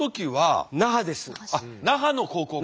あっ那覇の高校か。